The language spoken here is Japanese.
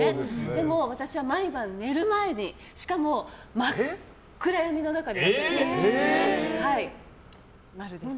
でも、私は毎晩、寝る前にしかも、真っ暗闇の中でやっているんです。